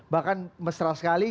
bahkan mesra sekali